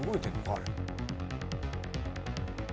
あれ。